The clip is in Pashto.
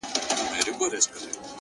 انسانیت په توره نه راځي؛ په ډال نه راځي؛